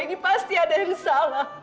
ini pasti ada yang salah